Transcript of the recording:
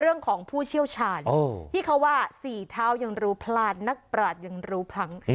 ผู้เชี่ยวชาญที่เขาว่าสี่เท้ายังรู้พลาดนักปราศยังรู้พลั้ง